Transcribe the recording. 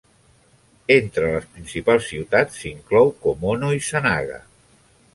Entre les principals ciutats s'inclou Komono i Zanaga.